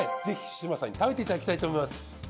ぜひ志真さんに食べていただきたいと思います。